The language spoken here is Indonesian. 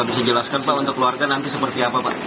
bisa dijelaskan pak untuk keluarga nanti seperti apa pak